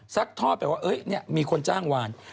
ซักทอดไปว่าเนี่ยมีคนจ้างวาน